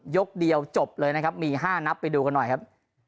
ยกเดียวจบเลยนะครับมี๕นับไปดูกันหน่อยครับ